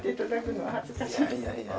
いやいやいや。